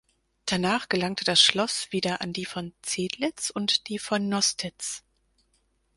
Danach gelangte das Schloss wieder an die von Zedlitz und die von Nostitz.